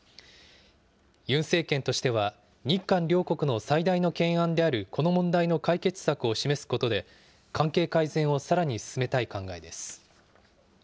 ユン政権としては、日韓両国の最大の懸案であるこの問題の解決策を示すことで、関係改善をさらに進めたい考えです。